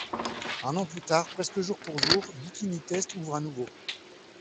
Un an plus tard, presque jour pour jour, Bikini Test ouvre à nouveau.